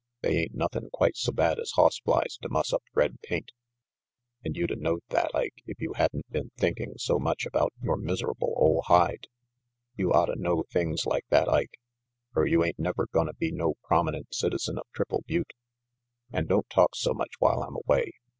They ain't nothin' quite so bad as hoss flies to muss up red paint, and you'd a knowed that, Ike, if you hadn't been thinking so much about your miserable ole hide. You otta know things like that, Ike, er you ain't never gonna be no promi nent citizen of Triple Butte. An' don't talk so much while I'm away.